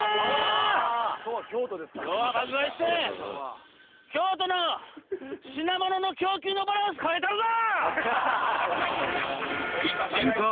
今日は爆買いして京都の品物の供給のバランス変えたるぞ。